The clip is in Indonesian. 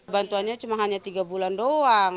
bantuannya cuma hanya tiga bulan doang